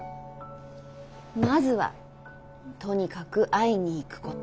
まずはとにかく会いに行くこと。